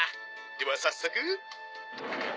「では早速」